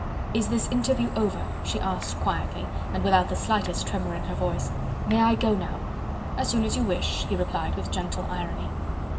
"Is this interview over?" she asked quietly, and without the slightest tremor in her voice. "May I go now?" "As soon as you wish," he replied with gentle irony.